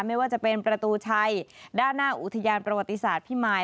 ไม่ว่าจะเป็นประตูชัยด้านหน้าอุทยานประวัติศาสตร์พิมาย